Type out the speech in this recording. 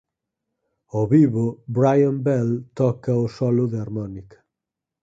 Ao vivo Brian Bell toca o solo de harmónica.